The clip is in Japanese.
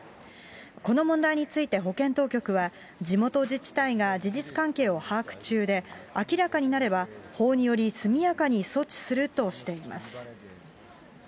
この問題について保健当局は、地元自治体が事実関係を把握中で、明らかになれば、法により速やかに措置するとしています。